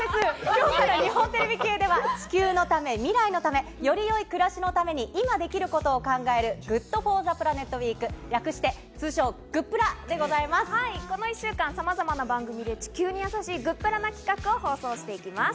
きょうから日本テレビ系では、地球のため、未来のため、よりよい暮らしのために今できることを考える、ＧｏｏｄＦｏｒｔｈｅＰｌａｎｅｔウィーク、略して通称、グップラでございまこの１週間、さまざまな番組で地球にやさしいグップラな企画を放送していきます。